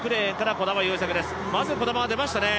まず児玉が出ましたね。